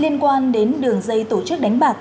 nói đến đường dây tổ chức đánh bạc